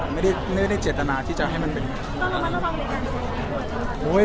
ไม่ได้เจตนาที่จะให้มันเป็นยังไง